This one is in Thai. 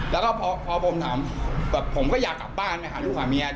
แล้วก็พอผมถามแบบผมก็อยากกลับบ้านไปหาลูกหาเมีย